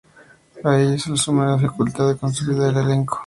A ello se sumó la dificultad de consolidar al elenco.